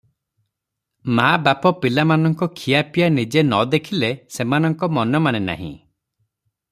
ମା- ବାପ ପିଲାମାନଙ୍କ ଖିଆ ପିଆ ନିଜେ ନଦେଖିଲେ ସେମାନଙ୍କ ମନ ମାନେ ନାହିଁ ।